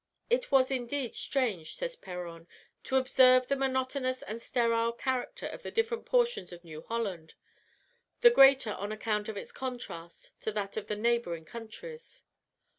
"It was indeed strange," says Péron, "to observe the monotonous and sterile character of the different portions of New Holland the greater on account of its contrast to that of the neighbouring countries.